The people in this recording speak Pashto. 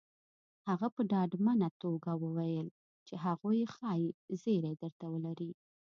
هغه په ډاډمنه توګه وويل چې هغوی ښايي زيری درته ولري